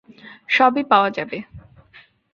সবই পাওয়া যাবে।